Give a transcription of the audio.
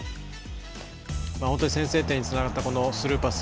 本当に先制点につながったこのスルーパス。